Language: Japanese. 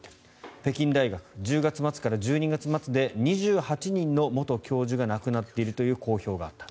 北京大学１０月末から１２月末で２８人の元教授が亡くなっているという公表があった。